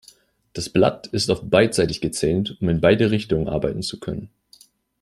Das Blatt ist oft beidseitig gezähnt, um in beide Richtungen arbeiten zu können.